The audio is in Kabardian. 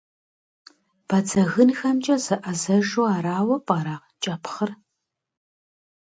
Бадзэгынхэмкӏэ зэӏэзэжу арауэ пӏэрэ кӏэпхъыр?